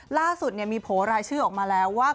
ล่าสุดมีโผล่รายชื่อออกมาแล้วว่า